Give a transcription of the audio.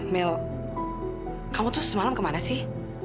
mil kamu tuh semalam kemana sih